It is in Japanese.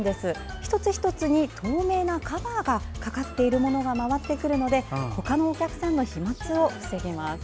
一つ一つに透明なカバーがかかっているものが回ってくるのでほかのお客さんの飛沫を防げます。